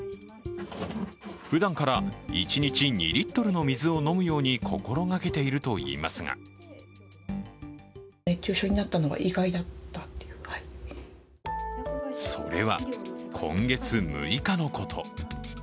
ふだんから一日２リットルの水を飲むように心がけているといいますがそれは、今月６日のこと。